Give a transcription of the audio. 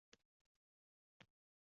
Olam bo’larsan.